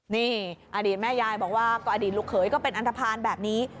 นี่อดีตแม่ยายบอกว่าก็อดีตลูกเขยก็เป็นอันทภาณแบบนี้